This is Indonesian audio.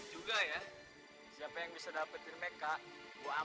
jangan ributkan mereka mas